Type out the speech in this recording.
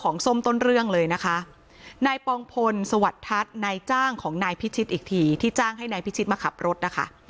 นายปองพลสวัสดิ์ทัศน์นายจ้างของพิชิตอีกทีที่จ้างให้นายพิชิตมาขับรถนะคะ